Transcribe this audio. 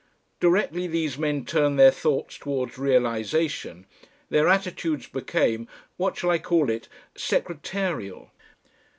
Directly these men turned their thoughts towards realisation, their attitudes became what shall I call it? secretarial.